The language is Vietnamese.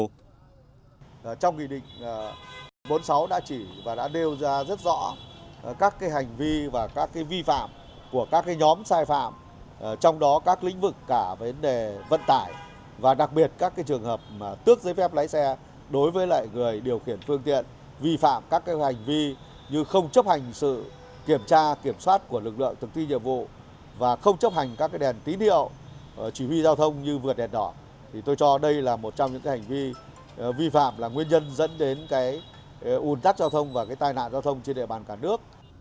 các đèn tí điệu chỉ huy giao thông như vượt đèn đỏ tôi cho đây là một trong những hành vi vi phạm là nguyên nhân dẫn đến cái ồn tắc giao thông và cái tai nạn giao thông trên địa bàn cả nước